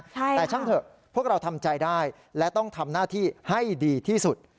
แต่ช่างเถอะพวกเราทำใจได้และต้องทำหน้าที่ให้ดีที่สุด